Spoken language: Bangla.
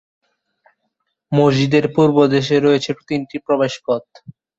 মসজিদের পূর্বদিকে রয়েছে তিনটি প্রবেশপথ।